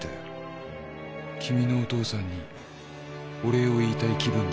君のお父さんにお礼を言いたい気分だった。